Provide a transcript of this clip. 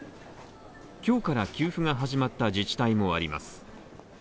今日から給付が始まった自治体もあります。